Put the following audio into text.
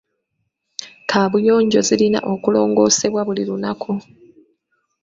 Kaabuyonjo zirina okulongoosebwa buli lunaku.